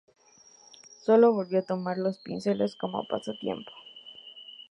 Solo volvió a tomar los pinceles como pasatiempo.